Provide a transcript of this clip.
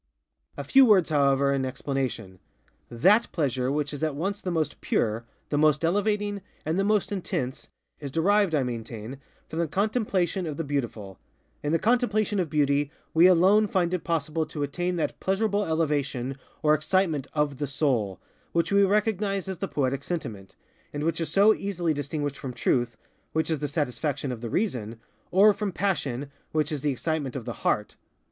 A few words, however, in explanation. _That _pleasure which is at once the most pure, the most elevating, and the most intense, is derived, I maintain, from the contemplation of the Beautiful. In the contemplation of Beauty we alone find it possible to attain that pleasurable elevation, or excitement _of the soul, _which we recognize as the Poetic Sentiment, and which is so easily distinguished from Truth, which is the satisfaction of the Reason, or from Passion, which is the excitement of the heart.